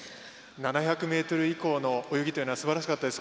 ７００ｍ以降の泳ぎすばらしかったです。